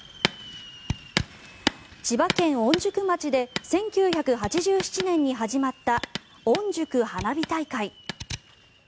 千葉県御宿町で１９８７年に始まったおんじゅく花火大会。